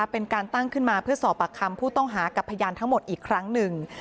เป็นการตั้งขึ้นมาเพื่อสอบปากคำผู้ต้องหากับพยานทั้งหมดอีกครั้งหนึ่ง